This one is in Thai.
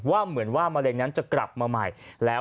เหมือนว่ามะเร็งนั้นจะกลับมาใหม่แล้ว